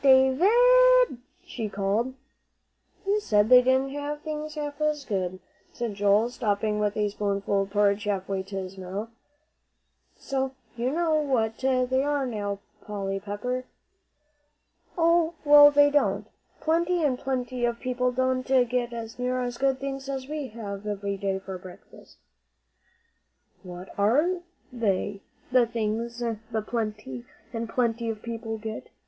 Da vid!" she called. "You said they didn't have things half as good," said Joel, stopping with a spoonful of porridge halfway to his mouth. "So you know what they are, now, Polly Pepper." "Oh, well, they don't. Plenty and plenty of people don't get near as good things as we have every day for breakfast." "What are they, the things the plenty and plenty of people get?"